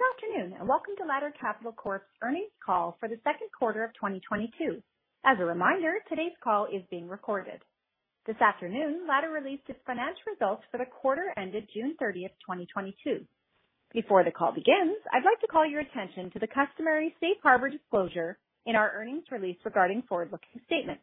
Good afternoon, and welcome to Ladder Capital Corp's earnings call for the Q of 2022. As a reminder, today's call is being recorded. This afternoon, Ladder released its financial results for the quarter ended 30 June 2022. Before the call begins, I'd like to call your attention to the customary safe harbor disclosure in our earnings release regarding forward-looking statements.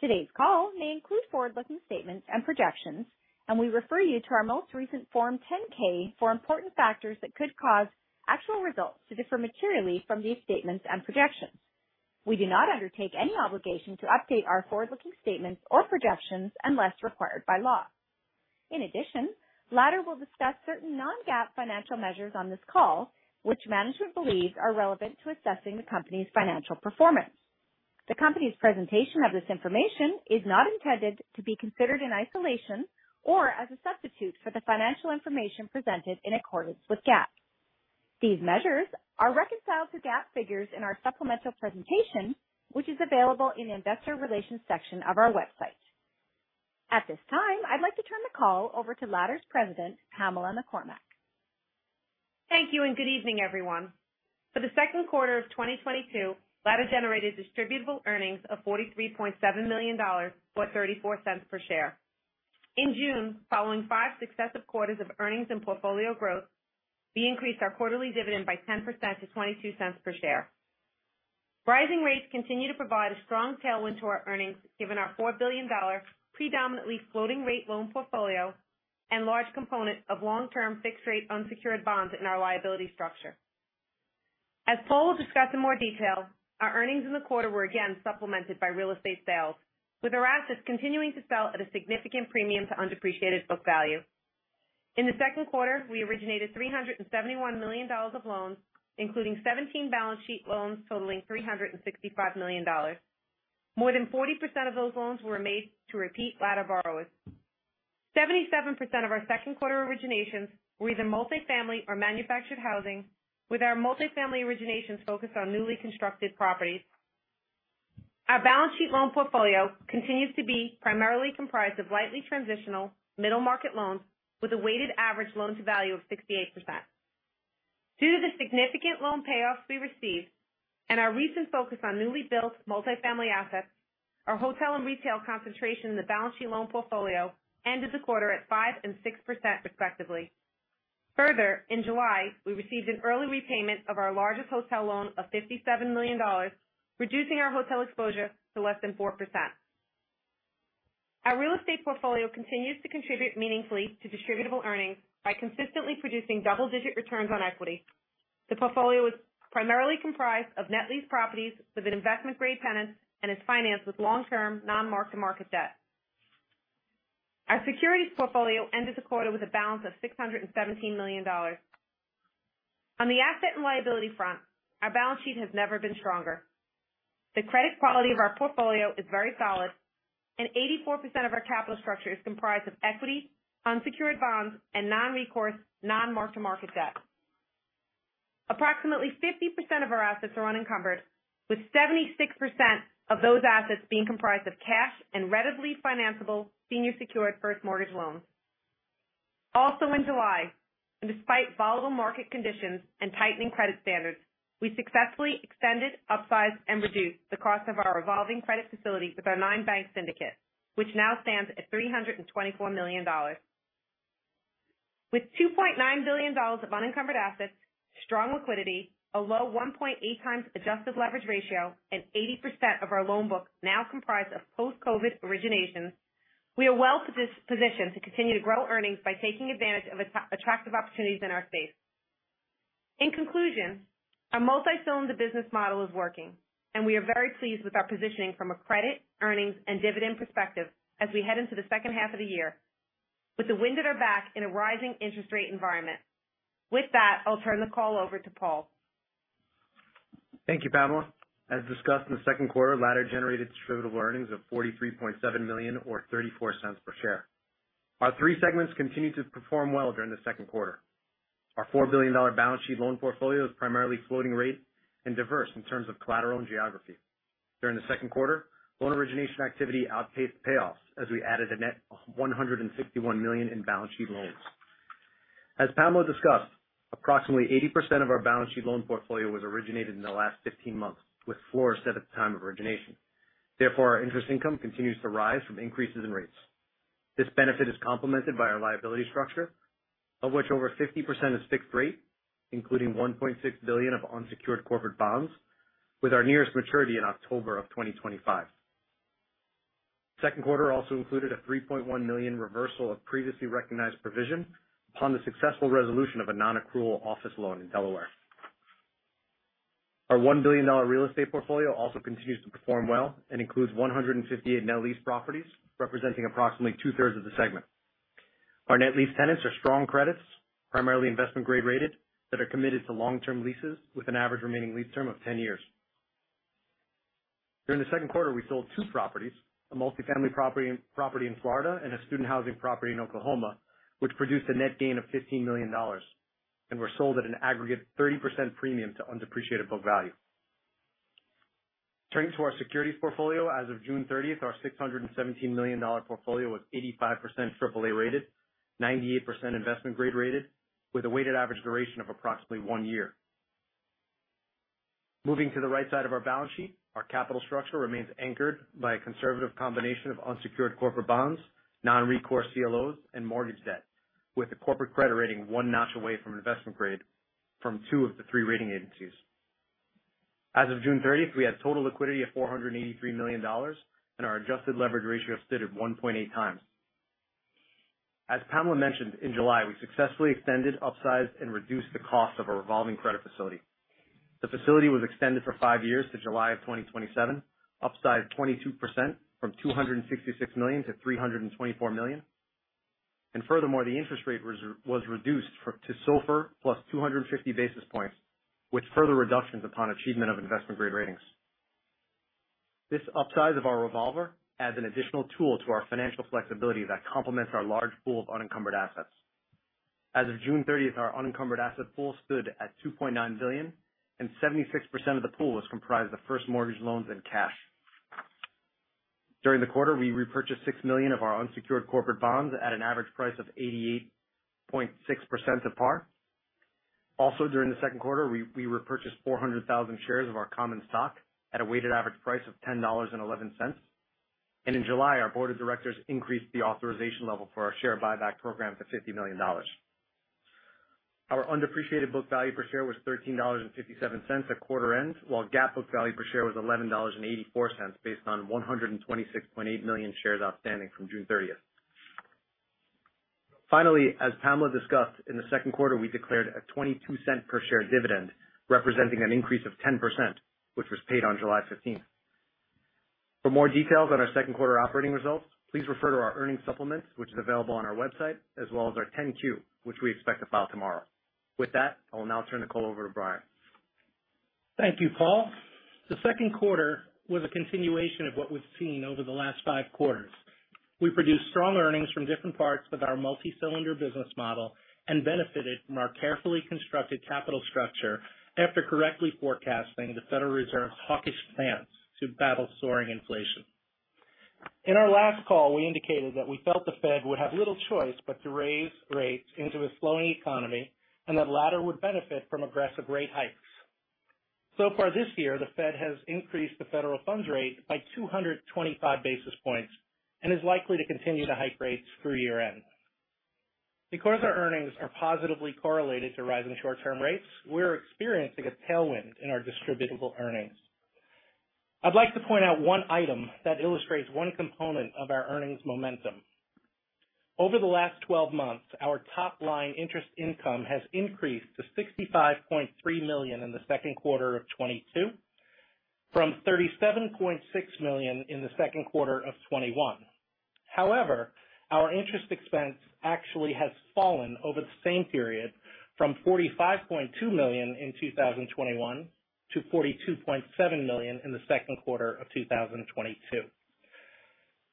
Today's call may include forward-looking statements and projections, and we refer you to our most recent Form 10-K for important factors that could cause actual results to differ materially from these statements and projections. We do not undertake any obligation to update our forward-looking statements or projections unless required by law. In addition, Ladder will discuss certain non-GAAP financial measures on this call, which management believes are relevant to assessing the company's financial performance. The company's presentation of this information is not intended to be considered in isolation or as a substitute for the financial information presented in accordance with GAAP. These measures are reconciled to GAAP figures in our supplemental presentation, which is available in the investor relations section of our website. At this time, I'd like to turn the call over to Ladder's President, Pamela McCormack. Thank you, and good evening, everyone. For the Q2 of 2022, Ladder generated distributable earnings of $43.7 million, or $0.34 per share. In June, following five successive quarters of earnings and portfolio growth, we increased our quarterly dividend by 10% to $0.22 per share. Rising rates continue to provide a strong tailwind to our earnings, given our $4 billion predominantly floating rate loan portfolio and large component of long-term fixed rate unsecured bonds in our liability structure. As Paul will discuss in more detail, our earnings in the quarter were again supplemented by real estate sales, with our assets continuing to sell at a significant premium to undepreciated book value. In the Q2, we originated $371 million of loans, including 17 balance sheet loans totaling $365 million. More than 40% of those loans were made to repeat Ladder borrowers. 77% of our Q2 originations were either multifamily or manufactured housing, with our multifamily originations focused on newly constructed properties. Our balance sheet loan portfolio continues to be primarily comprised of lightly transitional middle market loans with a weighted average loan to value of 68%. Due to the significant loan payoffs we received and our recent focus on newly built multifamily assets, our hotel and retail concentration in the balance sheet loan portfolio ended the quarter at 5% and 6% respectively. Further, in July, we received an early repayment of our largest hotel loan of $57 million, reducing our hotel exposure to less than 4%. Our real estate portfolio continues to contribute meaningfully to distributable earnings by consistently producing double-digit returns on equity. The portfolio is primarily comprised of net leased properties with an investment-grade tenant and is financed with long-term non-mark-to-market debt. Our securities portfolio ended the quarter with a balance of $617 million. On the asset and liability front, our balance sheet has never been stronger. The credit quality of our portfolio is very solid, and 84% of our capital structure is comprised of equity, unsecured bonds and non-recourse, non-mark-to-market debt. Approximately 50% of our assets are unencumbered, with 76% of those assets being comprised of cash and readily financiable senior secured first mortgage loans. Also in July, and despite volatile market conditions and tightening credit standards, we successfully extended, upsized, and reduced the cost of our revolving credit facility with our 9-bank syndicate, which now stands at $324 million. With $2.9 billion of unencumbered assets, strong liquidity, a low 1.8x adjusted leverage ratio, and 80% of our loan book now comprised of post-COVID originations, we are well positioned to continue to grow earnings by taking advantage of attractive opportunities in our space. In conclusion, our multi-cylindered business model is working, and we are very pleased with our positioning from a credit, earnings, and dividend perspective as we head into the second half of the year with the wind at our back in a rising interest rate environment. With that, I'll turn the call over to Paul. Thank you, Pamela. As discussed in the Q2, Ladder generated distributable earnings of $43.7 million or $0.34 per share. Our three segments continued to perform well during the Q2. Our $4 billion balance sheet loan portfolio is primarily floating rate and diverse in terms of collateral and geography. During the Q2, loan origination activity outpaced payoffs as we added a net $151 million in balance sheet loans. As Pamela discussed, approximately 80% of our balance sheet loan portfolio was originated in the last 15 months with floors set at the time of origination. Therefore, our interest income continues to rise from increases in rates. This benefit is complemented by our liability structure, of which over 50% is fixed rate, including $1.6 billion of unsecured corporate bonds, with our nearest maturity in October 2025. Q2 also included a $3.1 million reversal of previously recognized provision upon the successful resolution of a non-accrual office loan in Delaware. Our $1 billion real estate portfolio also continues to perform well and includes 158 net lease properties, representing approximately 2/3 of the segment. Our net lease tenants are strong credits, primarily investment grade rated, that are committed to long-term leases with an average remaining lease term of 10 years. During the Q2, we sold two properties, a multifamily property in Florida and a student housing property in Oklahoma, which produced a net gain of $15 million and were sold at an aggregate 30% premium to undepreciated book value. Turning to our securities portfolio, as of 30 June, our $617 million portfolio was 85% AAA rated, 98% investment grade rated, with a weighted average duration of approximately one year. Moving to the right side of our balance sheet, our capital structure remains anchored by a conservative combination of unsecured corporate bonds, non-recourse CLOs and mortgage debt, with a corporate credit rating one notch away from investment grade from two of the three rating agencies. As of 30 June we had total liquidity of $483 million, and our adjusted leverage ratio stood at 1.8x. As Pamela mentioned, in July, we successfully extended, upsized, and reduced the cost of our revolving credit facility. The facility was extended for five years to July 2027, upsized 22% from $266 to 324 million. Furthermore, the interest rate was reduced to SOFR plus 250 basis points, with further reductions upon achievement of investment grade ratings. This upsize of our revolver adds an additional tool to our financial flexibility that complements our large pool of unencumbered assets. As of 30 June, our unencumbered asset pool stood at $2.9 billion, and 76% of the pool was comprised of first mortgage loans and cash. During the quarter, we repurchased $6 million of our unsecured corporate bonds at an average price of 88.6% of par. Also during the Q2, we repurchased 400,000 shares of our common stock at a weighted average price of $10.11. In July, our board of directors increased the authorization level for our share buyback program to $50 million. Our undepreciated book value per share was $13.57 at quarter end, while GAAP book value per share was $11.84 based on $126.8 million shares outstanding from 30 June. Finally, as Pamela discussed, in the Q2, we declared a $0.22 per share dividend, representing an increase of 10%, which was paid on 15 July. For more details on our Q2 operating results, please refer to our earnings supplements, which is available on our website, as well as our 10-Q, which we expect to file tomorrow. With that, I will now turn the call over to Brian. Thank you, Paul. The Q2 was a continuation of what we've seen over the last five quarters. We produced strong earnings from different parts of our multi-cylinder business model and benefited from our carefully constructed capital structure after correctly forecasting the Federal Reserve's hawkish plans to battle soaring inflation. In our last call, we indicated that we felt the Fed would have little choice but to raise rates into a slowing economy, and that Ladder would benefit from aggressive rate hikes. So far this year, the Fed has increased the federal funds rate by 225 basis points and is likely to continue to hike rates through year-end. Because our earnings are positively correlated to rising short-term rates, we're experiencing a tailwind in our distributable earnings. I'd like to point out one item that illustrates one component of our earnings momentum. Over the last 12 months, our top line interest income has increased to $65.3 million in the Q2 of 2022 from $37.6 million in the Q2 of 2021. However, our interest expense actually has fallen over the same period from $45.2 million in 2021 to $42.7 million in the Q2 of 2022.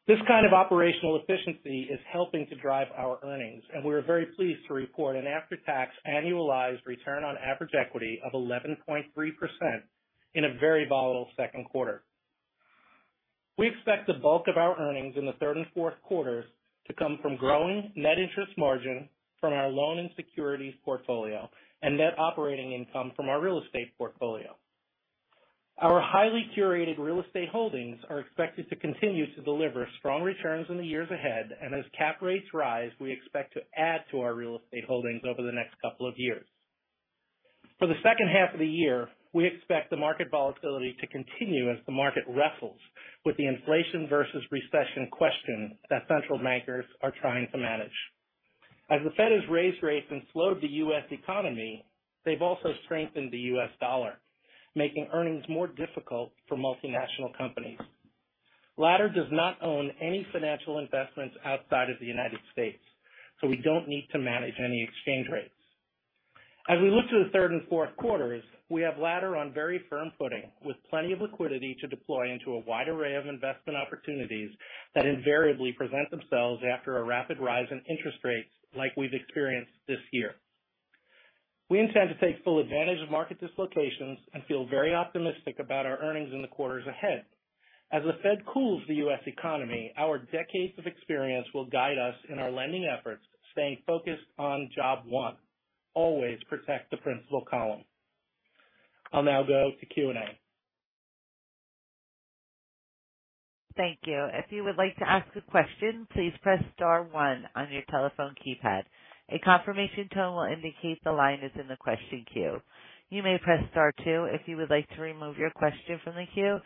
This kind of operational efficiency is helping to drive our earnings, and we are very pleased to report an after-tax annualized return on average equity of 11.3% in a very volatile Q2. We expect the bulk of our earnings in the Q3 and Q4 to come from growing net interest margin from our loan and securities portfolio and net operating income from our real estate portfolio. Our highly curated real estate holdings are expected to continue to deliver strong returns in the years ahead, and as cap rates rise, we expect to add to our real estate holdings over the next couple of years. For the second half of the year, we expect the market volatility to continue as the market wrestles with the inflation versus recession question that central bankers are trying to manage. As the Fed has raised rates and slowed the U.S. economy, they've also strengthened the U.S. dollar, making earnings more difficult for multinational companies. Ladder does not own any financial investments outside of the United States, so we don't need to manage any exchange rates. As we look to the Q3 and Q4, we have Ladder on very firm footing with plenty of liquidity to deploy into a wide array of investment opportunities that invariably present themselves after a rapid rise in interest rates like we've experienced this year. We intend to take full advantage of market dislocations and feel very optimistic about our earnings in the quarters ahead. As the Fed cools the U.S. economy, our decades of experience will guide us in our lending efforts, staying focused on job one. Always protect the principal column. I'll now go to Q&A. Thank you. If you would like to ask a question, please press star one on your telephone keypad. A confirmation tone will indicate the line is in the question queue. You may press star two if you would like to remove your question from the queue.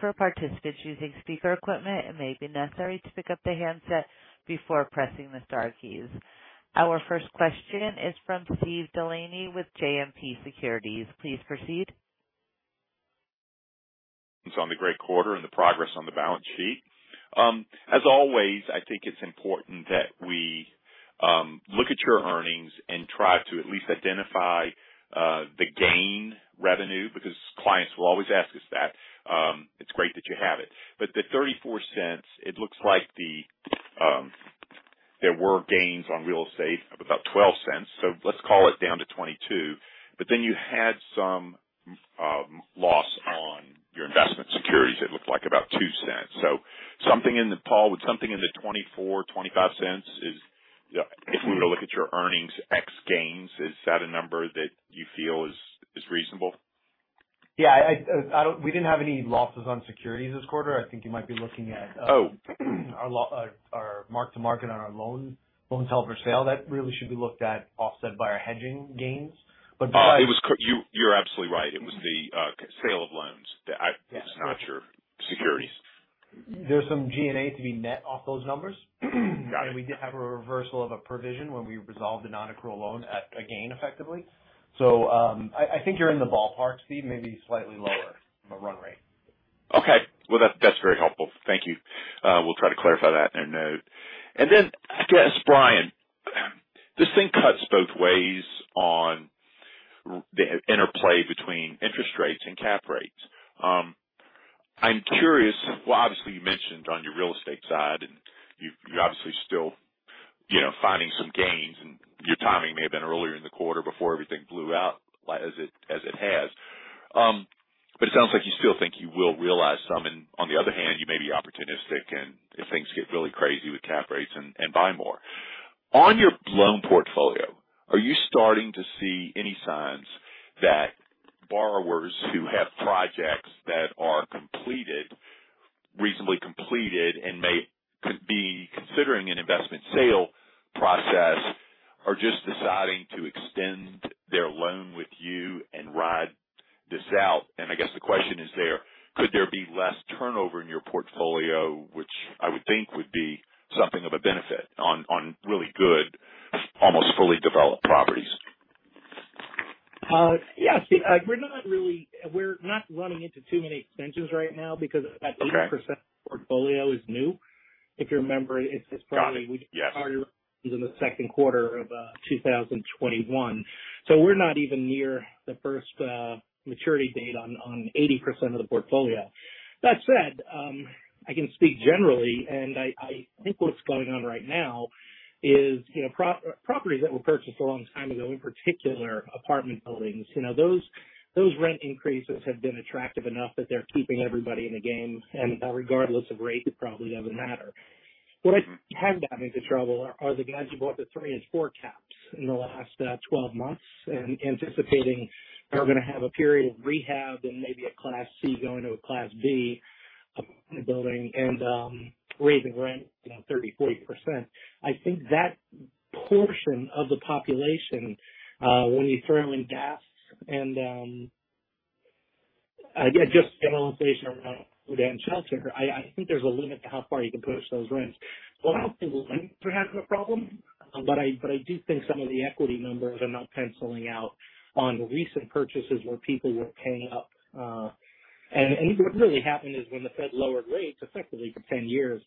For participants using speaker equipment, it may be necessary to pick up the handset before pressing the star keys. Our first question is from Steven DeLaney with JMP Securities. Please proceed. On the great quarter and the progress on the balance sheet. As always, I think it's important that we look at your earnings and try to at least identify the gain revenue because clients will always ask us that. It's great that you have it. The $0.34, it looks like there were gains on real estate of about $0.12, so let's call it down to $0.22. Then you had some loss on your investment securities it looked like about $0.02. Something in the $0.24 to 0.25 Paul, would something in the $0.24 to 0.25, if we were to look at your earnings ex gains, is that a number that you feel is reasonable? We didn't have any losses on securities this quarter i think you might be looking at Oh. Our mark to market on our loans held for sale that really should be looked at, offset by our hedging gains. You're absolutely right. It was the sale of loans. It's not your securities. There's some SG&A to be netted off those numbers. Got it. We did have a reversal of a provision when we resolved the non-accrual loan at a gain effectively. I think you're in the ballpark, Steven DeLaney, maybe slightly lower on the run rate. Okay. Well, that's very helpful. Thank you. We'll try to clarify that in a note. Then I guess, Brian, this thing cuts both ways on the interplay between interest rates and cap rates. I'm curious well, obviously, you mentioned on your real estate side, and you're obviously still, you know, finding some gains, and your timing may have been earlier in the quarter before everything blew out as it has. But it sounds like you still think you will realize some on the other hand, you may be opportunistic and if things get really crazy with cap rates and buy more. On your loan portfolio, are you starting to see any signs that borrowers who have projects that are completed, reasonably completed and could be considering an investment sale process are just deciding to extend their loan with you and ride this out? I guess the question is there. Could there be less turnover in your portfolio, which I would think would be something of a benefit on really good, almost fully developed properties? Yeah. See, we're not running into too many extensions right now because about 80% of the portfolio is new. If you remember, it's probably. Got it. Yes. We just started in the Q2 of 2021. We're not even near the first maturity date on 80% of the portfolio. That said, I can speak generally, and I think what's going on right now is, you know, properties that were purchased a long time ago, in particular apartment buildings you know those rent increases have been attractive enough that they're keeping everybody in the game. Regardless of rates, it probably doesn't matter. What has got into trouble are the guys who bought the 3% and 4% caps in the last 12 months and anticipating they were gonna have a period of rehab and maybe a Class C going to a Class B apartment building and raising rent, you know, 30% to 40%. I think that portion of the population, when you throw in gas and, yeah, just generalization around food and shelter i think there's a limit to how far you can push those rents. I don't think rents are having a problem. I do think some of the equity numbers are not penciling out on recent purchases where people were paying up. What really happened is when the Fed lowered rates effectively for 10 years,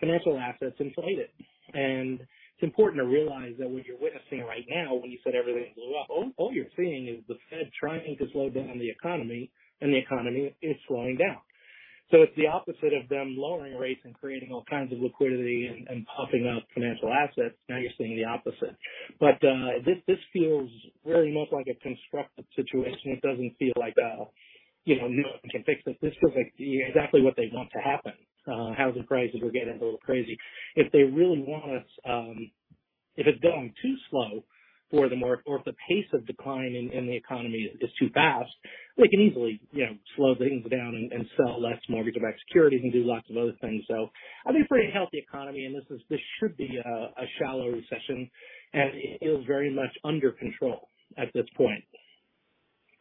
financial assets inflated. It's important to realize that what you're witnessing right now, when you said everything blew up, all you're seeing is the Fed trying to slow down the economy and the economy is slowing down. It's the opposite of them lowering rates and creating all kinds of liquidity and puffing up financial assets now you're seeing the opposite. This feels very much like a constructive situation it doesn't feel like, you know, no one can fix it this feels like exactly what they want to happen. Housing prices were getting a little crazy. If they really want us, if it's going too slow for them or if the pace of decline in the economy is too fast, they can easily, you know, slow things down and sell less mortgage-backed securities and do lots of other things. I think we're in a healthy economy this should be a shallow recession, and it feels very much under control at this point.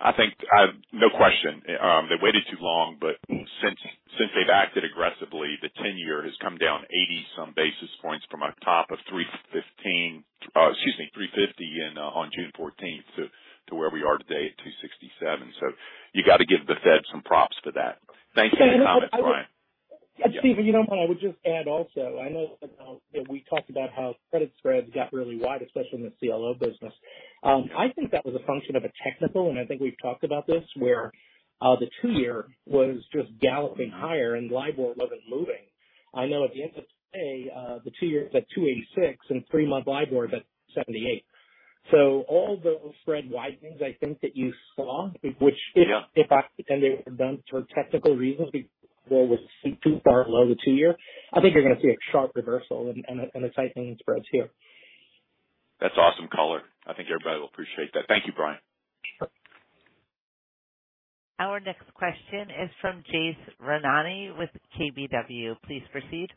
I think, no question. They waited too long. Since they've acted aggressively, the 10-year has come down 80-some basis points from a top of 3.50 on 14 June to where we are today at 2.67. You got to give the Fed some props for that. Thank you and good comments, Brian. Steve, you know what I would just add also, I know, you know, we talked about how credit spreads got really wide, especially in the CLO business. I think that was a function of a technical, and I think we've talked about this, where the two-year was just galloping higher and LIBOR wasn't moving. I know at the end of today, the two-year is at 2.86 and three-month LIBOR is at 78. All those spread widenings I think that you saw, which- Yeah. They were done for technical reasons, there was spread too far below the two-year. I think you're gonna see a sharp reversal and a tightening in spreads here. That's awesome color. I think everybody will appreciate that. Thank you, Brian. Sure. Our next question is from Jade Rahmani with KBW. Please proceed.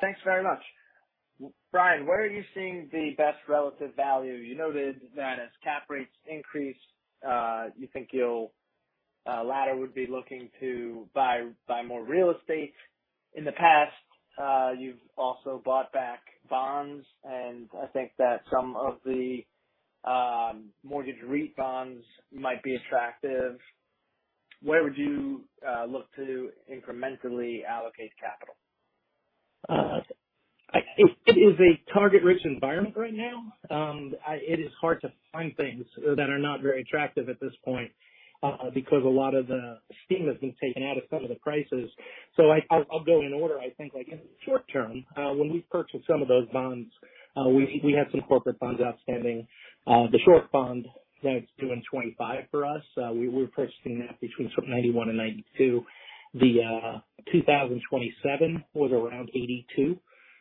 Thanks very much. Brian, where are you seeing the best relative value? You noted that as cap rates increase, you think Ladder would be looking to buy more real estate. In the past, you've also bought back bonds, and I think that some of the mortgage REIT bonds might be attractive. Where would you look to incrementally allocate capital? It is a target rich environment right now. It is hard to find things that are not very attractive at this point, because a lot of the steam has been taken out of some of the prices. I'll go in order i think like in the short term, when we purchased some of those bonds, we had some corporate bonds outstanding. The short bond that's due in 2025 for us, we were purchasing that between sort of $91 and $92. The 2027 was around $82,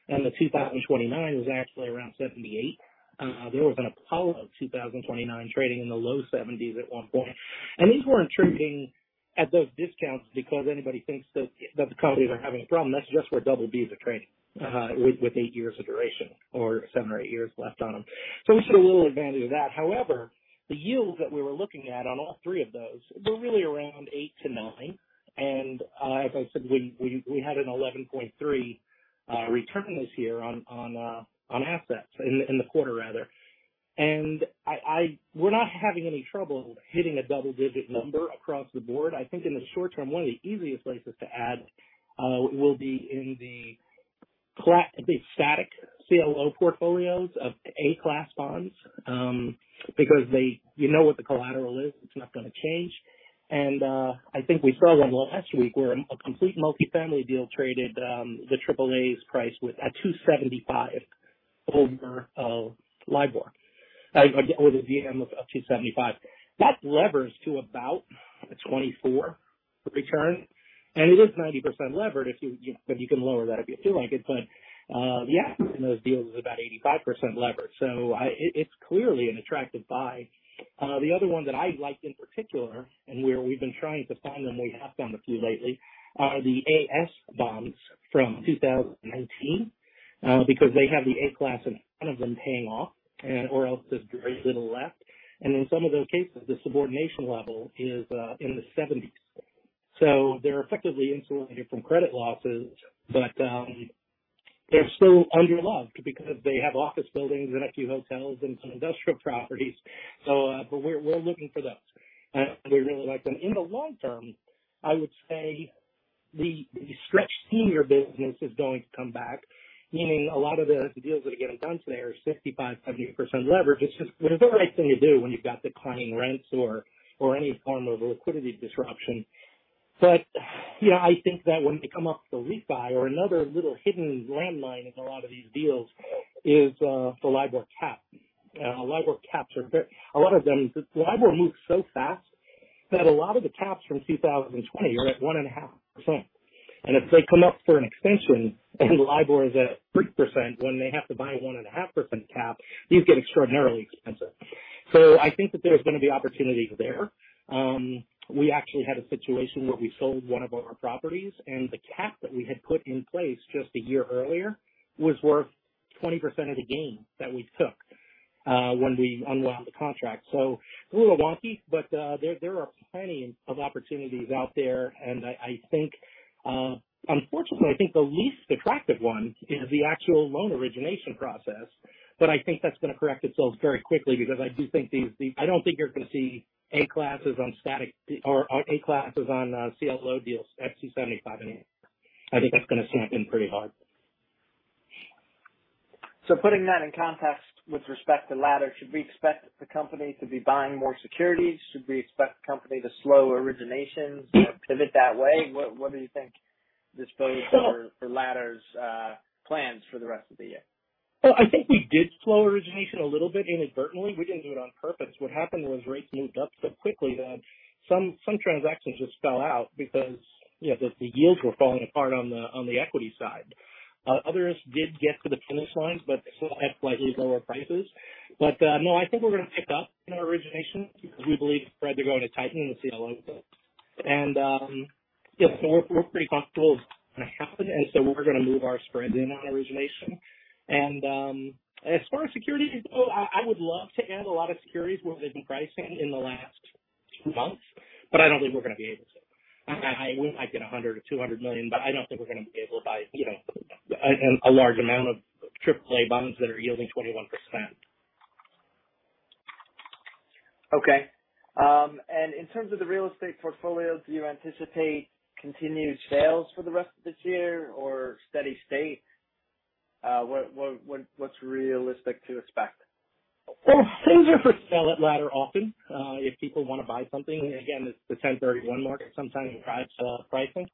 and the 2029 was actually around $78. There was an Apollo 2029 trading in the low $70s at one point. These weren't trading at those discounts because anybody thinks that the companies are having a problem that's just where Double B are trading with eight years of duration or seven or eight years left on them we see a little advantage of that however, the yields that we were looking at on all three of those were really around 8% to 9%. As I said, we had an 11.3% return this year on assets in the quarter rather. We're not having any trouble hitting a double-digit number across the board. I think in the short term, one of the easiest places to add will be in the static CLO portfolios of Class A bonds because they, you know what the collateral is it's not gonna change. I think we saw one last week where a complete multifamily deal traded, the AAA's priced at 275 over LIBOR. With a WAM of up to 275. That levers to about a 24% return, and it is 90% levered if you, but you can lower that if you feel like it. In those deals is about 85% levered. It's clearly an attractive buy. The other one that I liked in particular, we've been trying to find them, we have found a few lately, are the A-S bonds from 2019, because they have the Class A in front of them paying off, otherwise there's very little left. In some of those cases, the subordination level is in the 70%. They're effectively insulated from credit losses. They're still underloved because they have office buildings and a few hotels and some industrial properties. We're looking for those, and we really like them. In the long term, I would say the stretch senior business is going to come back, meaning a lot of the deals that are getting done today are 65% to 70% leverage it's just the right thing to do when you've got declining rents or any form of liquidity disruption. You know, I think that when they come up with the refi or another little hidden landmine in a lot of these deals is the LIBOR cap. LIBOR caps are very. A lot of them, LIBOR moves so fast that a lot of the caps from 2020 are at 1.5%. If they come up for an extension and LIBOR is at 3% when they have to buy 1.5% cap, these get extraordinarily expensive. I think that there's gonna be opportunities there. We actually had a situation where we sold one of our properties and the cap that we had put in place just a year earlier was worth 20% of the gain that we took when we unwound the contract. It's a little wonky, but there are plenty of opportunities out there. I think, unfortunately, I think the least attractive one is the actual loan origination process. I think that's gonna correct itself very quickly because I do think these. I don't think you're gonna see Class A on CLO deals at 275 anymore. I think that's gonna stamp in pretty hard. Putting that in context with respect to Ladder, should we expect the company to be buying more securities? Should we expect the company to slow originations, you know, pivot that way? What do you think this bodes for Ladder's plans for the rest of the year? Well, I think we did slow origination a little bit inadvertently we didn't do it on purpose what happened was rates moved up so quickly that some transactions just fell out because, you know, the yields were falling apart on the equity side. Others did get to the finish lines, but they still had slightly lower prices. No, I think we're gonna pick up in our origination because we believe spreads are going to tighten in the CLO space. Yeah, so we're pretty comfortable with what's gonna happen we're gonna move our spreads in on origination. As far as securities go, I would love to add a lot of securities where they've been pricing in the last few months, but I don't think we're gonna be able to. We might get $100 million or $200 million, but I don't think we're gonna be able to buy, you know, a large amount of AAA bonds that are yielding 21%. Okay. In terms of the real estate portfolio, do you anticipate continued sales for the rest of this year or steady state? What's realistic to expect? Well, things are for sale at Ladder often, if people wanna buy something again, it's the 1031 market sometimes drives pricing.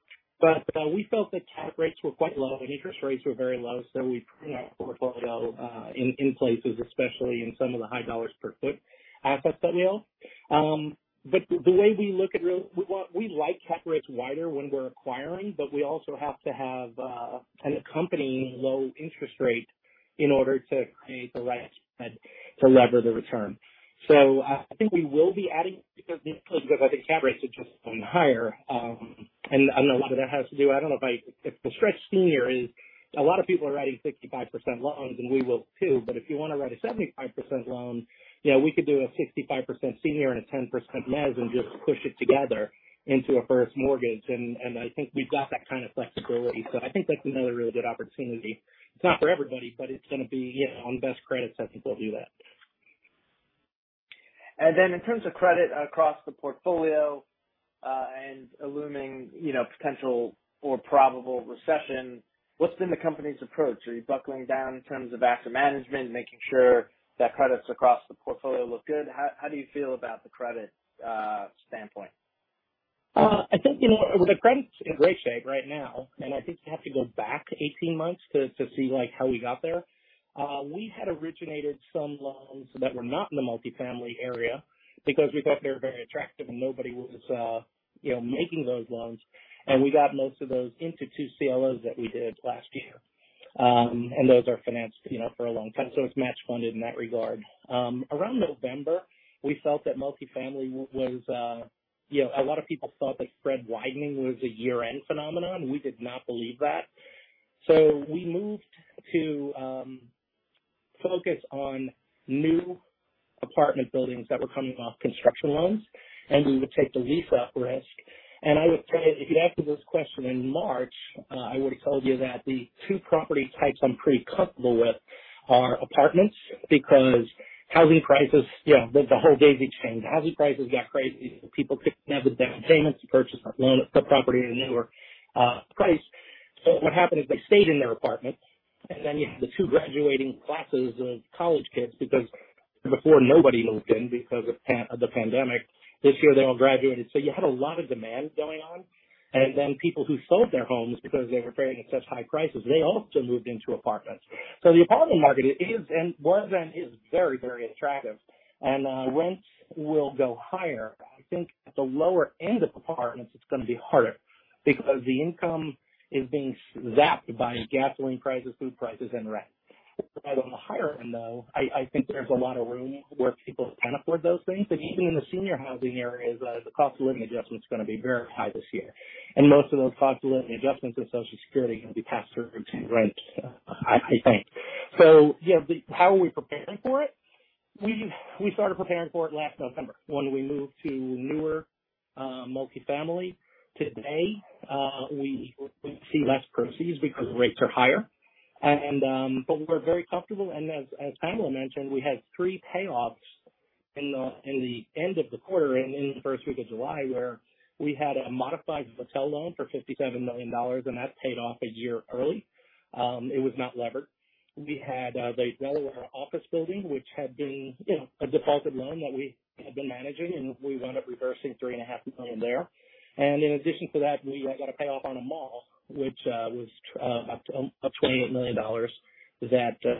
We felt that cap rates were quite low and interest rates were very low, so we put our portfolio in places, especially in some of the high dollars per foot assets that we own. The way we look at, we want, we like cap rates wider when we're acquiring, but we also have to have an accompanying low interest rate in order to create the right spread to lever the return. I think we will be adding because I think cap rates are just going higher. I don't know whether that has to do, I don't know if i, If the stretch senior is a lot of people are writing 65% loans, and we will too, but if you wanna write a 75% loan, you know, we could do a 65% senior and a 10% mezz and just push it together into a first mortgage. I think we've got that kind of flexibility. I think that's another really good opportunity. It's not for everybody, but it's gonna be, you know, on the best credit sectors we'll do that. In terms of credit across the portfolio, and a looming, you know, potential or probable recession, what's been the company's approach? Are you buckling down in terms of asset management, making sure that credits across the portfolio look good? How do you feel about the credit standpoint? I think, you know, the credit's in great shape right now, and I think you have to go back 18 months to see, like how we got there. We had originated some loans that were not in the multifamily area because we thought they were very attractive and nobody was, you know, making those loans. We got most of those into two CLOs that we did last year. Those are financed, you know, for a long time it's match funded in that regard. Around November, we felt that multifamily was, you know, a lot of people thought that spread widening was a year-end phenomenon we did not believe that. We moved to focus on new apartment buildings that were coming off construction loans, and we would take the lease up risk. I would tell you, if you'd asked me this question in March, I would have told you that the two property types I'm pretty comfortable with are apartments because housing prices, you know, the whole daisy chain housing prices got crazy, so people couldn't have the down payments to purchase or loan a property at a newer price. What happened is they stayed in their apartments. Then you have the two graduating classes of college kids because before nobody moved in because of the pandemic. This year they all graduated you had a lot of demand going on. Then people who sold their homes because they were fearing such high prices, they also moved into apartments. The apartment market is and was and is very, very attractive. Rents will go higher. I think at the lower end of apartments, it's gonna be harder because the income is being zapped by gasoline prices, food prices and rent. On the higher end, though, I think there's a lot of room where people can afford those things even in the senior housing area, the cost of living adjustment is gonna be very high this year. Most of those cost of living adjustments are Social Security gonna be passed through to rent, I think. You know, how are we preparing for it? We started preparing for it last November when we moved to newer multifamily. Today, we see less proceeds because rates are higher. But we're very comfortable as Pamela mentioned, we had three payoffs in the end of the quarter and in the first week of July, where we had a modified hotel loan for $57 million, and that paid off a year early. It was not levered. We had a Delaware office building, which had been, you know, a defaulted loan that we had been managing, and we wound up reversing $3.5 million there. In addition to that, we got a payoff on a mall, which was up to $8 million. That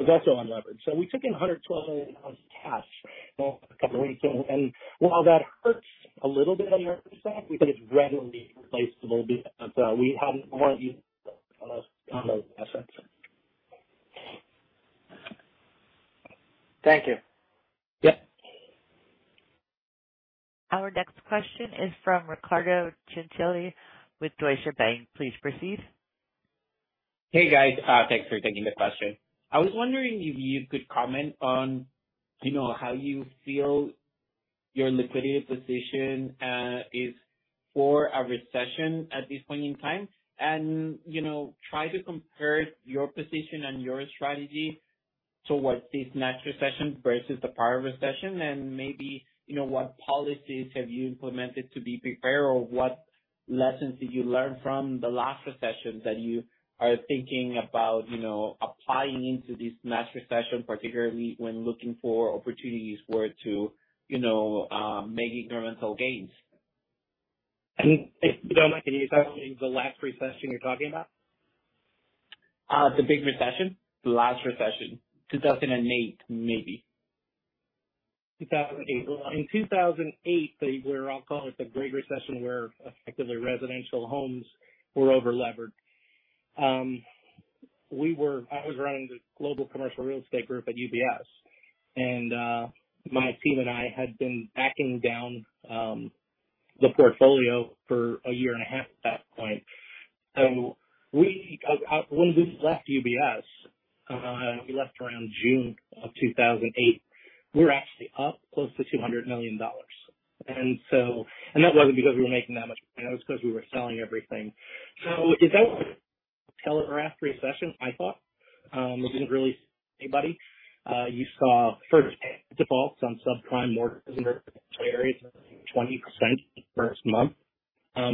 was also unlevered we took in $112 million in cash over a couple of weeks. While that hurts a little bit on your P&L, we think it's readily replaceable because we haven't on those assets. Thank you. Yep. Our next question is from Ricardo Chinchilla with Deutsche Bank. Please proceed. Hey, guys. Thanks for taking the question. I was wondering if you could comment on, you know, how you feel your liquidity position is for a recession at this point in time. You know, try to compare your position and your strategy towards this next recession versus the prior recession. Maybe, you know, what policies have you implemented to be prepared or what lessons did you learn from the last recession that you are thinking about, you know, applying into this next recession, particularly when looking for opportunities where to, you know, make incremental gains. If you don't mind, can you tell me the last recession you're talking about? The big recession. The last recession. 2008, maybe. 2008. In 2008, where I'll call it the Great Recession, where effectively residential homes were overlevered. I was running the global commercial real estate group at UBS. My team and I had been winding down the portfolio for a year and a half at that point. When we left UBS, we left around June of 2008. We were actually up close to $200 million. That wasn't because we were making that much money that was because we were selling everything. Is that a telegraphed recession, I thought. It didn't really anybody. You saw first defaults on subprime mortgages in certain areas, 20% the first month. I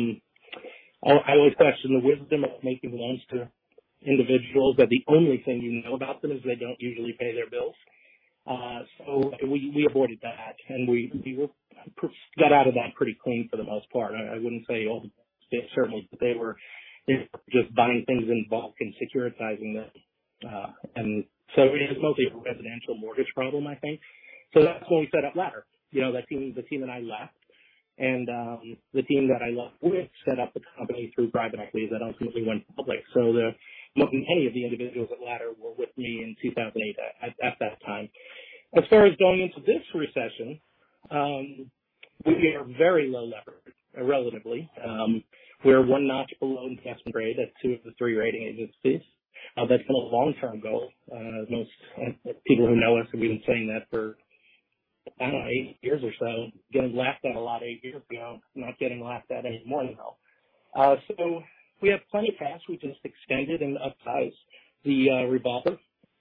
always question the wisdom of making loans to individuals that the only thing you know about them is they don't usually pay their bills. We avoided that, and we got out of that pretty clean for the most part i wouldn't say all the banks did, certainly they were just buying things in bulk and securitizing them. It was mostly a residential mortgage problem, I think. That's when we set up Ladder. You know, the team that I left and the team that I left with set up the company through private equities that ultimately went public. Not many of the individuals at Ladder were with me in 2008 at that time. As far as going into this recession, we are very low levered, relatively. We're one notch below investment grade at two of the three rating agencies. That's been a long-term goal. Most people who know us have been saying that for, I don't know, eight years or so. Getting laughed at a lot eight years ago not getting laughed at anymore, though. We have plenty of cash we just extended and upsized the revolver,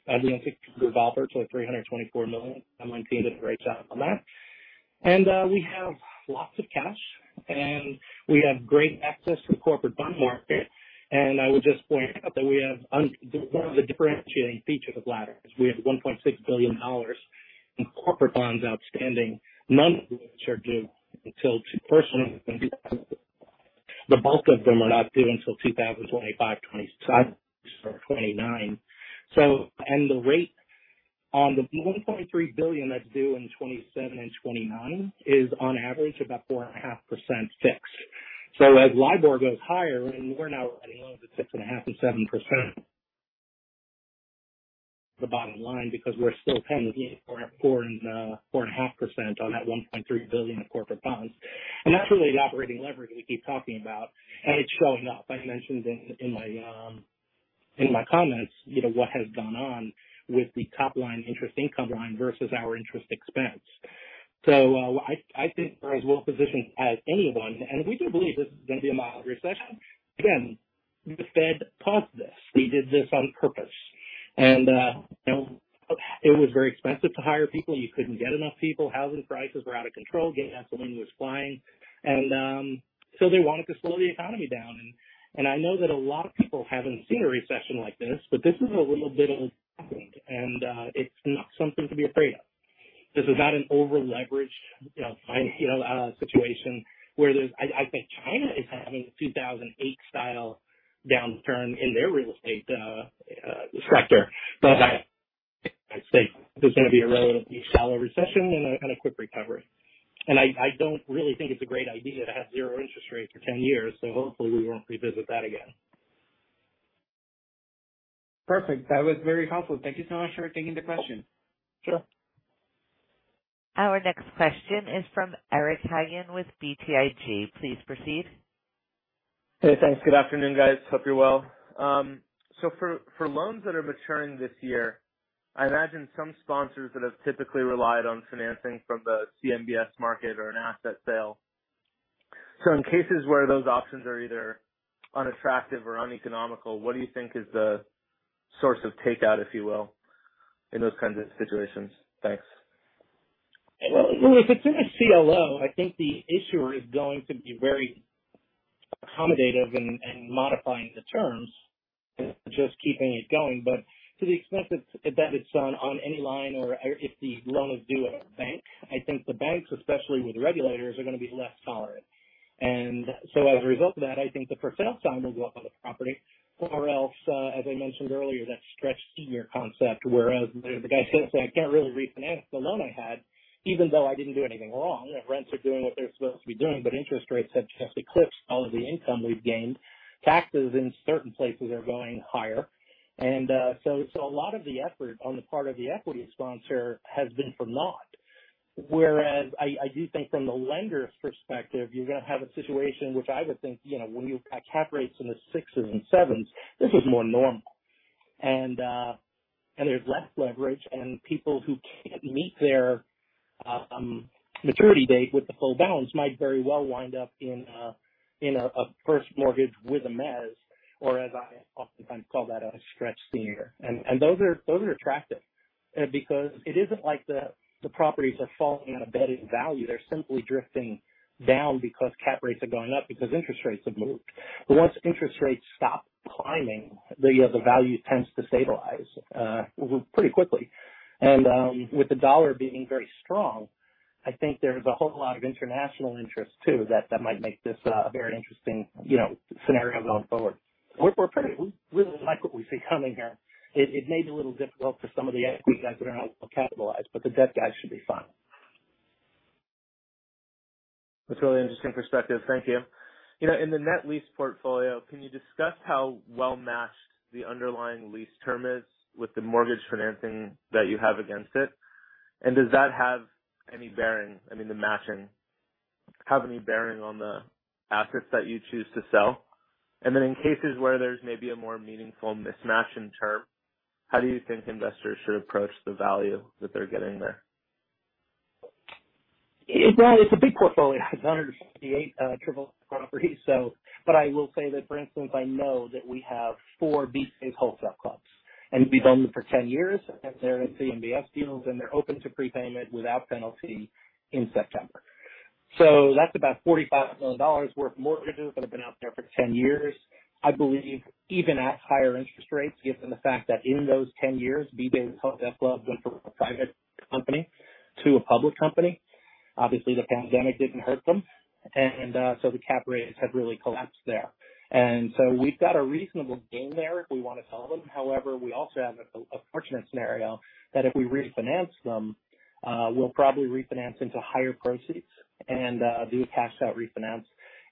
the corporate revolver to $324 million. MLT did a great job on that. We have lots of cash, and we have great access to the corporate bond market. I would just point out that we have one of the differentiating features of Ladder is we have $1.6 billion in corporate bonds outstanding, none of which are due until 2024. The bulk of them are not due until 2025, 2027, 2029. The rate on the $1.3 billion that's due in 2027 and 2029 is on average about 4.5% fixed. As LIBOR goes higher and we're now writing loans at 6.5% to 7%. The bottom line, because we're still paying, you know, 4.5% on that $1.3 billion of corporate bonds. That's really the operating leverage we keep talking about. It's showing up i mentioned in my comments, you know, what has gone on with the top line interest income line versus our interest expense. I think we're as well positioned as anyone, and we do believe this is gonna be a mild recession. Again, the Fed caused this they did this on purpose. It was very expensive to hire people you couldn't get enough people housing prices were out of control. Gasoline was flying. They wanted to slow the economy down. I know that a lot of people haven't seen a recession like this, but this is a little bit of what happened. It's not something to be afraid of. This is not an overleveraged, you know, situation where there's I think China is having a 2008 style downturn in their real estate sector. I say there's gonna be a relatively shallow recession and a quick recovery. I don't really think it's a great idea to have zero interest rates for 10 years, so hopefully we won't revisit that again. Perfect. That was very helpful. Thank you so much for taking the question. Sure. Our next question is from Eric Hagen with BTIG. Please proceed. Hey, thanks good afternoon, guys. Hope you're well. For loans that are maturing this year, I imagine some sponsors that have typically relied on financing from the CMBS market or an asset sale. In cases where those options are either unattractive or uneconomical, what do you think is the source of takeout, if you will, in those kinds of situations? Thanks. Well, if it's in a CLO, I think the issuer is going to be very accommodative in modifying the terms and just keeping it going. To the extent that is done on any line or if the loan is due at a bank, I think the banks, especially with regulators, are gonna be less tolerant. As a result of that, I think the for sale sign will go up on the property or else, as I mentioned earlier, that stretch senior concept, whereas the guy's gonna say, "I can't really refinance the loan I had, even though I didn't do anything wrong." You know, rents are doing what they're supposed to be doing, but interest rates have just eclipsed all of the income we've gained. Taxes in certain places are going higher. A lot of the effort on the part of the equity sponsor has been for naught. Whereas I do think from the lender's perspective, you're gonna have a situation which I would think, you know, when you've got cap rates in the 6% to 7%, this is more normal. There's less leverage and people who can't meet their maturity date with the full balance might very well wind up in a first mortgage with a mezzanine, or as I oftentimes call that, a stretch senior those are attractive because it isn't like the properties are falling out of bed in value they're simply drifting down because cap rates are going up because interest rates have moved. Once interest rates stop climbing, the value tends to stabilize pretty quickly. With the dollar being very strong, I think there's a whole lot of international interest too that might make this a very interesting, you know, scenario going forward. We really like what we see coming here. It may be a little difficult for some of the equity guys that are not well capitalized, but the debt guys should be fine. That's a really interesting perspective thank you. You know, in the net lease portfolio, can you discuss how well matched the underlying lease term is with the mortgage financing that you have against it? Does that have any bearing, I mean, the matching, have any bearing on the assets that you choose to sell? In cases where there's maybe a more meaningful mismatch in term, how do you think investors should approach the value that they're getting there? It's a big portfolio. It's 168 triple net properties. I will say that, for instance, I know that we have four BJ's Wholesale Clubs, and we've owned them for 10 years. They're in CMBS deals, and they're open to prepayment without penalty in September. That's about $45 million worth of mortgages that have been out there for 10 years. I believe even at higher interest rates, given the fact that in those 10 years, BJ's Wholesale Clubs went from a private company to a public company. Obviously, the pandemic didn't hurt them. The cap rates have really collapsed there. We've got a reasonable gain there if we wanna sell them however, we also have a fortunate scenario that if we refinance them, we'll probably refinance into higher proceeds and do a cash out refinance.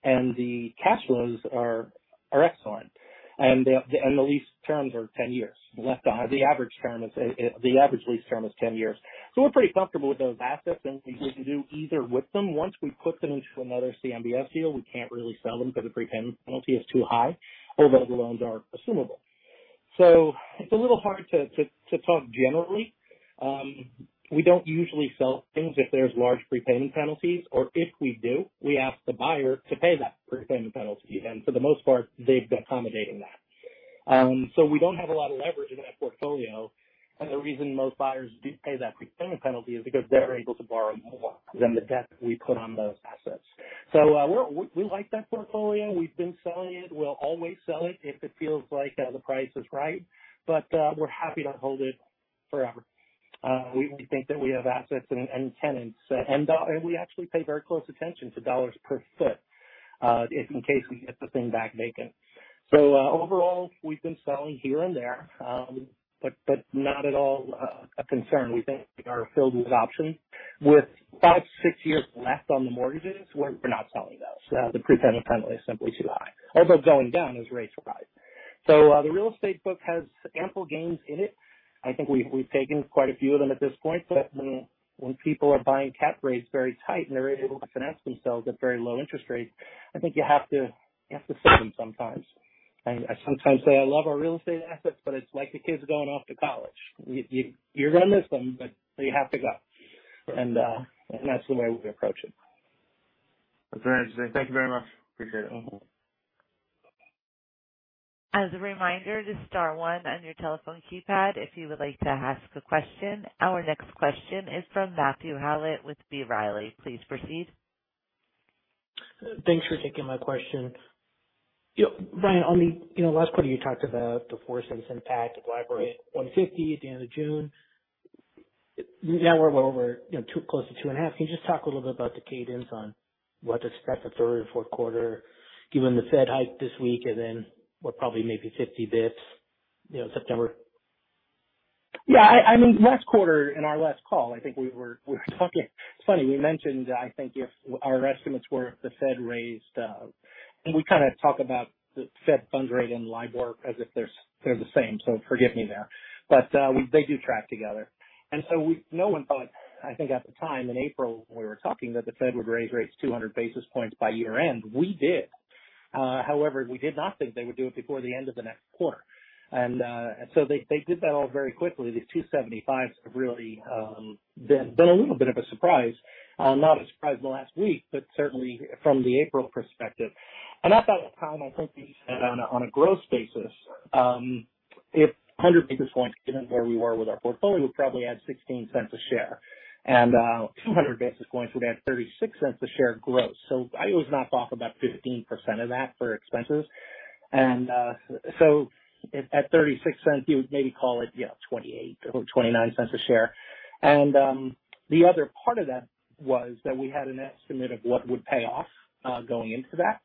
The cash flows are excellent. The lease terms are 10 years. The average lease term is 10 years. We're pretty comfortable with those assets and what we can do either with them once we've put them into another CMBS deal, we can't really sell them because the prepayment penalty is too high, although the loans are assumable. It's a little hard to talk generally. We don't usually sell things if there's large prepayment penalties or if we do, we ask the buyer to pay that prepayment penalty for the most part, they've been accommodating that. We don't have a lot of leverage in that portfolio. The reason most buyers do pay that prepayment penalty is because they're able to borrow more than the debt we put on those assets. We like that portfolio. We've been selling it we'll always sell it if it feels like the price is right, but we're happy to hold it forever. We think that we have assets and tenants and we actually pay very close attention to dollars per foot, if in case we get the thing back vacant. Overall, we've been selling here and there, but not at all a concern we think we are filled with options. With five, six years left on the mortgages, we're not selling those the prepayment penalty is simply too high, although going down as rates rise. The real estate book has ample gains in it. I think we've taken quite a few of them at this point, but when people are buying cap rates very tight and they're able to finesse themselves at very low interest rates, I think you have to sell them sometimes. I sometimes say I love our real estate assets, but it's like the kids going off to college. You're gonna miss them, but they have to go. That's the way we approach it. That's very interesting. Thank you very much. Appreciate it. As a reminder, just star one on your telephone keypad if you would like to ask a question. Our next question is from Matthew Howlett with B. Riley Securities. Please proceed. Thanks for taking my question. You, Brian Harris, on the, you know, last quarter you talked about the $0.04 impact of LIBOR at $1.50 at the end of June. Now we're well over, you know, close to $2.5. Can you just talk a little bit about the cadence on what to expect the Q3 and Q4 given the Fed hike this week and then what probably maybe 50 basis points, you know, in September? Yeah, I mean last quarter in our last call, I think we were talking. It's funny, we mentioned I think if our estimates were if the Fed raised. We kind of talk about the Fed funds rate and LIBOR as if they're the same, so forgive me there. They do track together. No one thought, I think at the time in April when we were talking that the Fed would raise rates 200 basis points by year-end. We did. However, we did not think they would do it before the end of the next quarter. They did that all very quickly these 275 have really been a little bit of a surprise. Not a surprise in the last week, but certainly from the April perspective. At that time, I think we said on a gross basis, if 100 basis points, given where we were with our portfolio, would probably add $0.16 a share. 200 basis points would add $0.36 a share gross. I always knock off about 15% of that for expenses. At $0.36 you would maybe call it, you know, $0.28 or $0.29 a share. The other part of that was that we had an estimate of what would pay off going into that.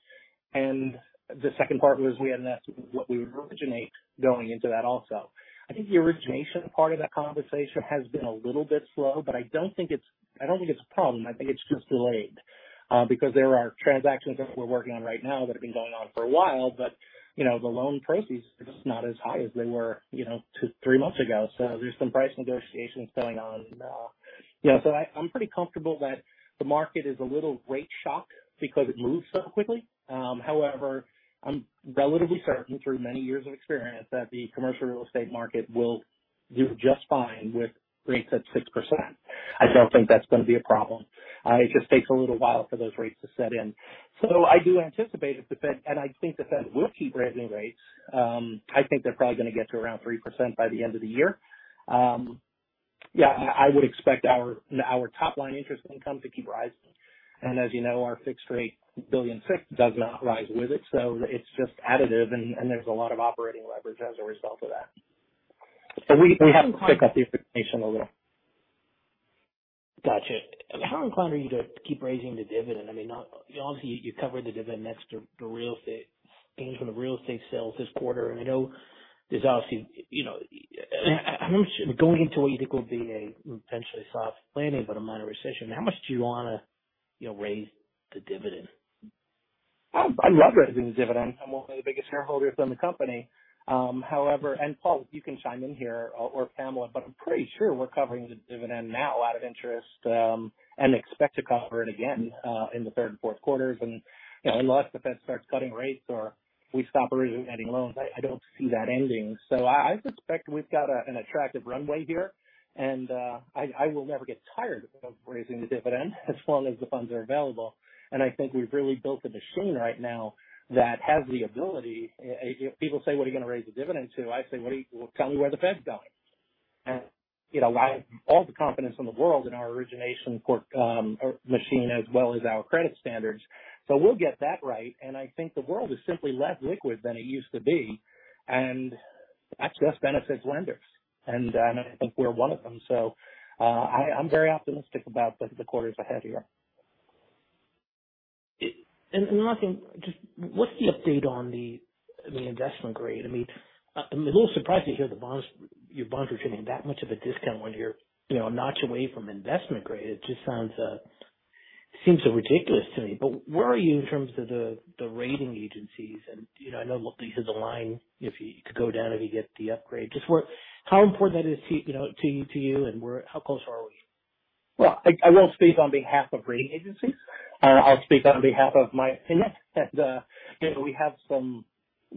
The second part was we had an estimate of what we would originate going into that also. I think the origination part of that conversation has been a little bit slow, but I don't think it's a problem i think it's just delayed because there are transactions that we're working on right now that have been going on for a while, but you know, the loan prices are just not as high as they were, you know, two to three months ago there's some price negotiations going on. You know, I'm pretty comfortable that the market is a little rate shock because it moves so quickly. However, I'm relatively certain through many years of experience that the commercial real estate market will do just fine with rates at 6%. I don't think that's gonna be a problem. It just takes a little while for those rates to set in. I do anticipate if the Fed and I think the Fed will keep raising rates. I think they're probably gonna get to around 3% by the end of the year. Yeah, I would expect our top line interest income to keep rising. As you know, our fixed rate $1.6 billion does not rise with it, so it's just additive and there's a lot of operating leverage as a result of that. We have to pick up the origination a little. Gotcha. How inclined are you to keep raising the dividend? I mean, obviously you covered the dividend thanks to the real estate gains from the real estate sales this quarter i know there's obviously, you know. How much going into what you think will be a potentially soft landing but a minor recession, how much do you wanna, you know, raise the dividend? I'd love raising the dividend. I'm one of the biggest shareholders in the company. However, Paul, you can chime in here or Pamela, but I'm pretty sure we're covering the dividend now out of interest, and expect to cover it again in the third and Q4s. You know, unless the Fed starts cutting rates or we stop originating loans, I don't see that ending. I suspect we've got an attractive runway here. I will never get tired of raising the dividend as long as the funds are available. I think we've really built a machine right now that has the ability. If people say, "What are you gonna raise the dividend to?" I say, "Well, tell me where the Fed's going." You know, I have all the confidence in the world in our origination machine as well as our credit standards. We'll get that right. I think the world is simply less liquid than it used to be, and that just benefits lenders. I think we're one of them. I'm very optimistic about the quarters ahead here. Last thing, just what's the update on the, I mean, investment grade? I mean, I'm a little surprised to hear the bonds, your bonds are trading that much of a discount when you're, you know, a notch away from investment grade it just seems so ridiculous to me where are you in terms of the rating agencies? You know, I know you hit the line if you could go down if you get the upgrade. Just how important that is to, you know, to you and how close are we? Well, I won't speak on behalf of rating agencies. I'll speak on behalf of my opinion. You know, we have some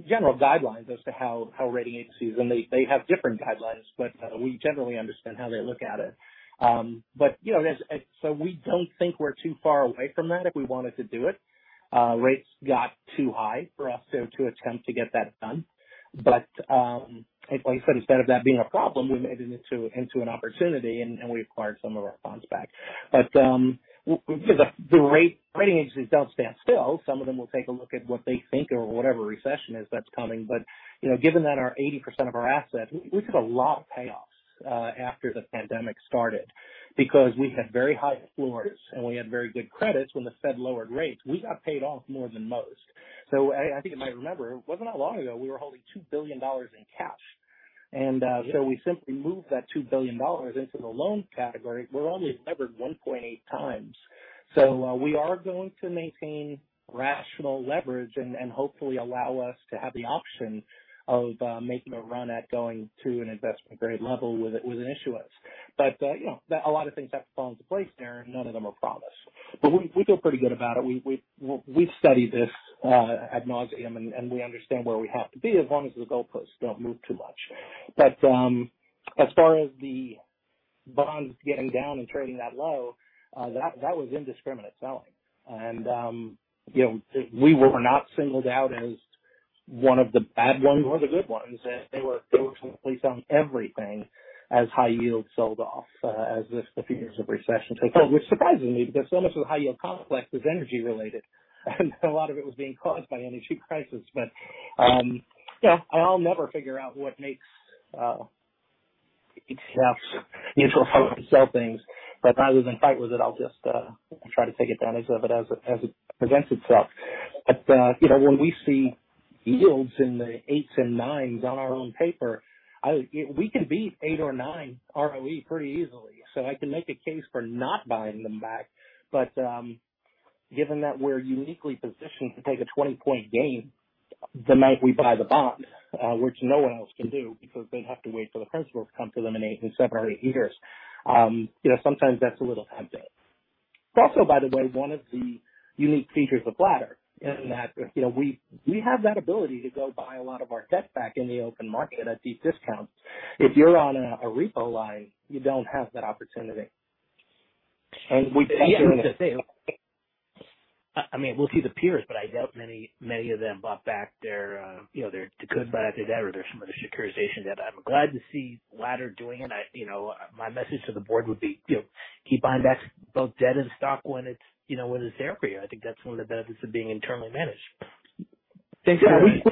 general guidelines as to how rating agencies they have different guidelines, but we generally understand how they look at it. You know, we don't think we're too far away from that if we wanted to do it. Rates got too high for us to attempt to get that done. Like I said, instead of that being a problem, we made it into an opportunity and we acquired some of our bonds back. Well, the rating agencies don't stand still some of them will take a look at what they think or whatever recession is that's coming. You know, given that our 80% of our assets, we took a lot of payoffs after the pandemic started. Because we had very high floors and we had very good credits when the Fed lowered rates we got paid off more than most. I think you might remember it wasn't that long ago we were holding $2 billion in cash. Yeah. We simply moved that $2 billion into the loan category we're only levered 1.8x. We are going to maintain rational leverage and hopefully allow us to have the option of making a run at going to an investment grade level with an issuance. You know, a lot of things have to fall into place there, and none of them are promised. We've studied this ad nauseam, and we understand where we have to be as long as the goalposts don't move too much. As far as the bonds getting down and trading that low, that was indiscriminate selling. You know, we were not singled out as one of the bad ones or the good ones they were totally selling everything as high-yield sold off, as the fears of recession take hold, which surprises me because so much of the high-yield complex is energy-related, and a lot of it was being caused by an energy crisis. You know, I'll never figure out what makes each house useful how to sell things. Rather than fight with it, I'll just try to take advantage of it as it presents itself. You know, when we see yields in the 8s and 9s on our own paper, we can beat 8 or 9 ROE pretty easily. I can make a case for not buying them back. Given that we're uniquely positioned to take a 20-point gain. The night we buy the bond, which no one else can do because they'd have to wait for the principal to come to them in eight to seven or eight years, you know, sometimes that's a little tempting. It's also, by the way, one of the unique features of Ladder in that, you know, we have that ability to go buy a lot of our debt back in the open market at deep discounts. If you're on a repo line, you don't have that opportunity. And we- Yeah. I mean, we'll see the peers, but I doubt many of them bought back their, you know, the good part of their debt or some of the securitization debt im glad to see Ladder doing it you know, my message to the board would be, you know, keep buying back both debt and stock when it's, you know, when it's there for you i think that's one of the benefits of being internally managed. Exactly.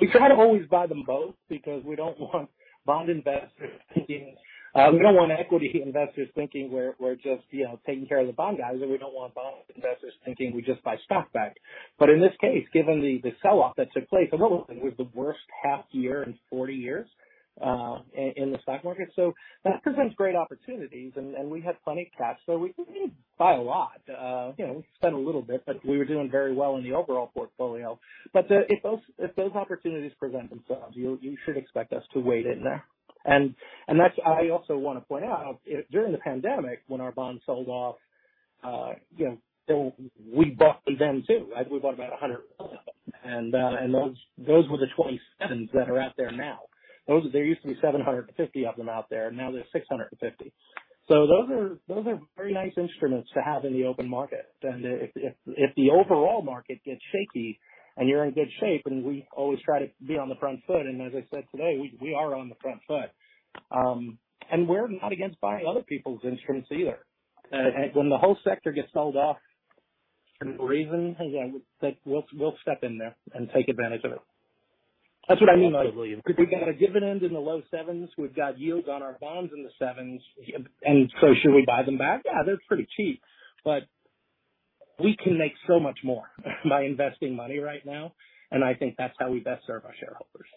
We try to always buy them both because we don't want bond investors thinking we don't want equity investors thinking we're just, you know, taking care of the bond guys, and we don't want bond investors thinking we just buy stock back. In this case, given the sell-off that took place, and it was the worst half year in 40 years in the stock market. That presents great opportunities and we had plenty of cash, so we didn't buy a lot. You know, we spent a little bit, but we were doing very well in the overall portfolio. If those opportunities present themselves, you should expect us to wade in there. That's, I also wanna point out, during the pandemic, when our bonds sold off, you know, we bought them then too we bought about 100 of them. Those were the 2027s that are out there now. There used to be 750 of them out there, now there's 650. Those are very nice instruments to have in the open market. If the overall market gets shaky and you're in good shape, we always try to be on the front foot, and as I said today, we are on the front foot. We're not against buying other people's instruments either. When the whole sector gets sold off for no reason, again, we'll step in there and take advantage of it. That's what I mean by we got a dividend in the low sevens. We've got yields on our bonds in the sevens. Should we buy them back? Yeah, that's pretty cheap. We can make so much more by investing money right now, and I think that's how we best serve our shareholders.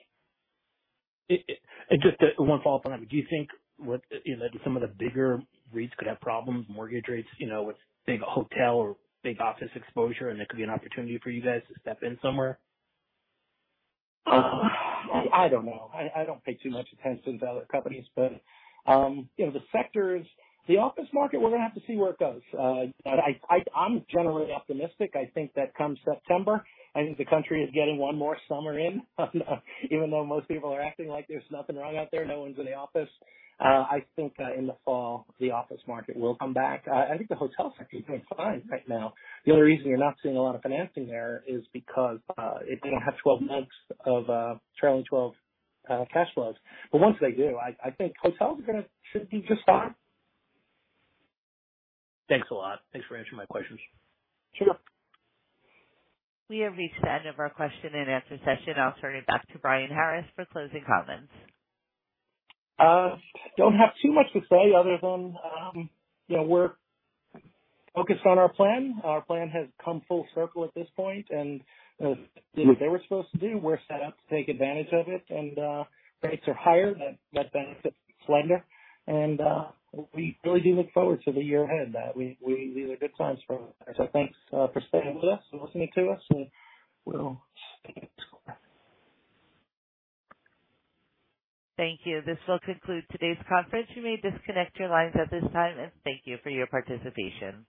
Just one follow up on that do you think, you know, some of the bigger REITs could have problems, mortgage rates, you know, with big hotel or big office exposure, and there could be an opportunity for you guys to step in somewhere? I don't know. I don't pay too much attention to other companies. You know, the sectors, the office market, we're gonna have to see where it goes. I'm generally optimistic i think that come September, I think the country is getting one more summer in. Even though most people are acting like there's nothing wrong out there, no one's in the office. I think in the fall, the office market will come back. I think the hotel sector is doing fine right now. The only reason you're not seeing a lot of financing there is because they don't have 12 months of trailing twelve cash flows. Once they do, I think hotels are gonna should be just fine. Thanks a lot. Thanks for answering my questions. Sure. We have reached the end of our question and answer session. I'll turn it back to Brian Harris for closing comments. Don't have too much to say other than, you know, we're focused on our plan. Our plan has come full circle at this point, and did what they were supposed to do we're set up to take advantage of it, and rates are higher. That benefits lender. We really do look forward to the year ahead. These are good times for us. Thanks for staying with us and listening to us, and we'll speak next quarter. Thank you. This will conclude today's conference. You may disconnect your lines at this time and thank you for your participation.